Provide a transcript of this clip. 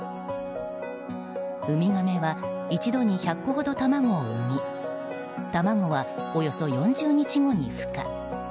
ウミガメは一度に１００個ほど卵を産み卵は、およそ４０日後に孵化。